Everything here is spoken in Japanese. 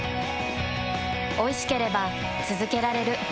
おいしければつづけられる。